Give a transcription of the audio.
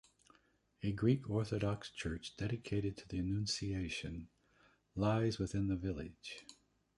A Greek Orthodox Church dedicated to the Annunciation lies within the village.